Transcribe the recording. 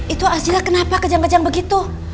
itu hasilnya kenapa kejang kejang begitu